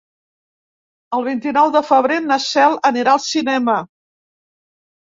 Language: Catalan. El vint-i-nou de febrer na Cel anirà al cinema.